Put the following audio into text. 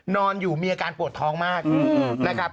นอนอยู่มีอาการปวดท้องมากนะครับ